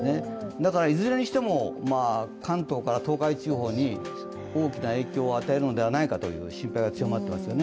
だから、いずれにしても関東から東海地方に大きな影響を与えるのではないかという心配はありますね。